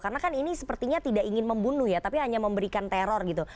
karena kan ini sepertinya tidak ingin membunuh ya tapi hanya memberikan teror gitu